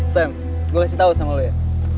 sam gue kasih tau sama lo ya